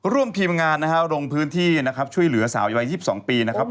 ร่วมทีมงานนะฮะลงพื้นที่นะครับช่วยเหลือสาววัย๒๒ปีนะครับ